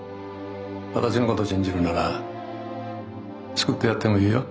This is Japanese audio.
私のこと信じるなら救ってやってもいいよ。